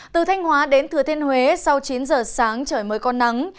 từ thanh hóa đến thừa thiên huế sau chín giờ sáng trời mới có nắng